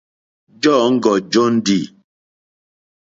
Jɔǃ́ɔ́ŋɡɔ́ jóndì.